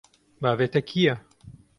Bavê te kî ye?